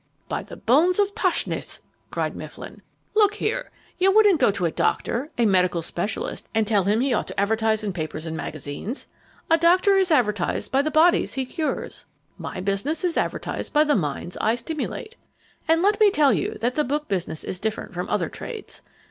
"By the bones of Tauchnitz!" cried Mifflin. "Look here, you wouldn't go to a doctor, a medical specialist, and tell him he ought to advertise in papers and magazines? A doctor is advertised by the bodies he cures. My business is advertised by the minds I stimulate. And let me tell you that the book business is different from other trades.